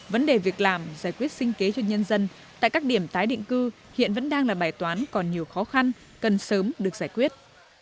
vấn đề việc làm giải quyết sinh kế cho nhân dân tại các điểm tái định cư hiện vẫn đang là bài toán còn nhiều khó khăn cần sớm được giải quyết